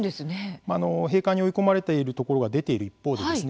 閉館に追い込まれているところが出ている一方でですね